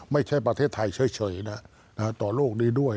ไม่ใช่ประเทศไทยเฉยนะต่อโลกนี้ด้วย